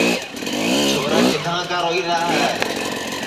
چھورا کِدھاں کا روئیرا ہے